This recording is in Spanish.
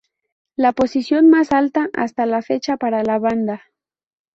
La posición más alta hasta la fecha para la banda.